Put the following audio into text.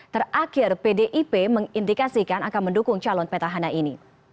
terakhir pdip mengindikasikan akan mendukung calon petahana ini